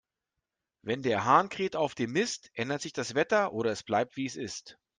Wenn der Hahn kräht auf dem Mist, ändert sich das Wetter, oder es bleibt, wie es ist.